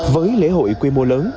với lễ hội quy mô lớn